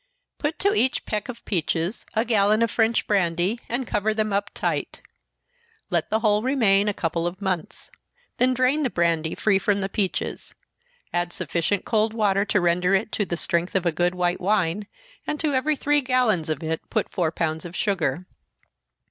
Put to each peck of peaches a gallon of French brandy, and cover them up tight. Let the whole remain a couple of months, then drain the brandy free from the peaches add sufficient cold water to render it of the strength of good white wine, and to every three gallons of it put four pounds of sugar.